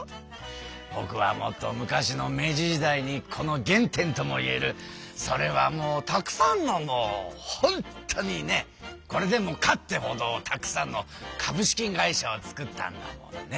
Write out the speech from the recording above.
ぼくはもっと昔の明治時代にこの原点ともいえるそれはもうたくさんのもうホントにね「これでもか！」ってほどたくさんの株式会社を作ったんだもんね。